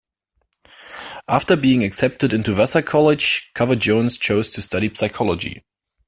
After being accepted into Vassar College, Cover Jones chose to study psychology.